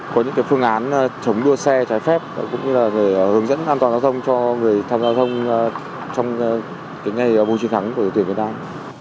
có những phương án chống đua xe trái phép cũng như hướng dẫn an toàn giao thông cho người tham gia giao thông trong ngày vui chiến thắng của tuyến việt nam